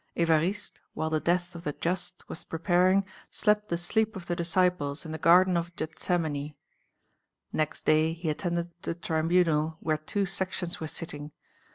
Évariste, while the death of The Just was preparing, slept the sleep of the Disciples in the garden of Gethsemane. Next day, he attended the Tribunal where two sections were sitting.